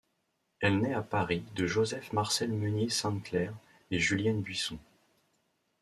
Elle naît à Paris de Joseph Marcel Meunier Sainte-Claire et Julienne Buisson.